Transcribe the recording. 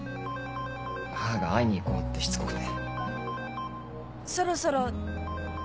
母が「会いに行こう」ってしつこくて。